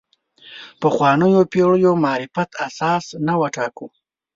پخوانیو پېړیو معرفت اساس نه وټاکو.